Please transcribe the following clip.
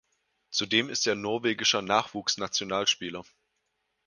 Zudem ist er norwegischer Nachwuchsnationalspieler.